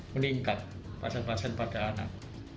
meningkat pasien pasien pada anak